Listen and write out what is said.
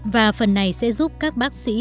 và phần này sẽ giúp các bác sĩ